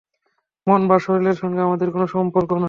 মন বা শরীরের সঙ্গে আমাদের কোন সম্পর্ক নাই।